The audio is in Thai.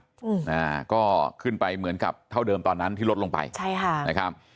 อืมอ่าก็ขึ้นไปเหมือนกับเท่าเดิมตอนนั้นที่ลดลงไปใช่ค่ะนะครับ